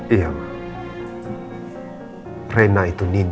sekarang ada sama andin